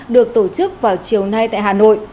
được tổ chức vào chiều nay tại hà nội